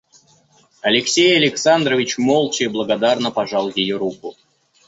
Алексей Александрович молча и благодарно пожал ее руку.